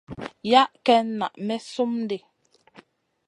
Yah ken na may slum di.